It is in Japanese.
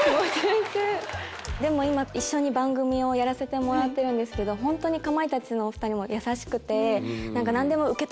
今一緒に番組をやらせてもらってるんですけど本当にかまいたちのお２人も優しくて。